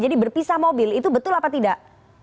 jadi berpisah mobil itu betul apa tidak